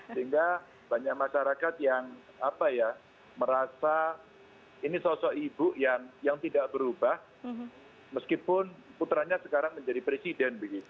sehingga banyak masyarakat yang merasa ini sosok ibu yang tidak berubah meskipun putranya sekarang menjadi presiden